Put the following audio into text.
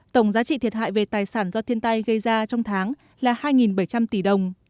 tổng giá trị thiệt hại về tài sản do thiên tai gây ra trong tháng là hai bảy trăm linh tỷ đồng